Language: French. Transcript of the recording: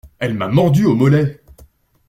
Elle m'a mordu au mollet.